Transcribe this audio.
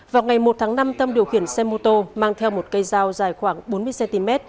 vào ngày một tháng năm tâm điều khiển xe mô tô mang theo một cây dao dài khoảng bốn mươi cm